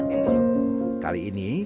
saya ingin membeli baju sekolah